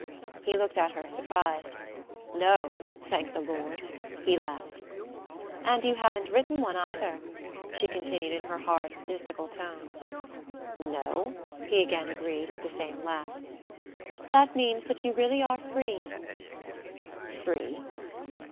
He looked at her, surprised. "No thank the Lord!" he laughed. "And you haven't written one either," she continued in her hard statistical tone. "No," he again agreed, with the same laugh. "That means that you really are free " "Free?"